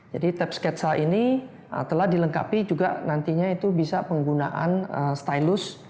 jadi tep sketsa ini telah dilengkapi juga nantinya itu bisa penggunaan stylus